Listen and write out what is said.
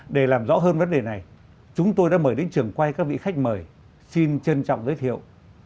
để làm rõ hơn vấn đề này chúng tôi đã mời đến trường quay các vị khách mời xin trân trọng giới thiệu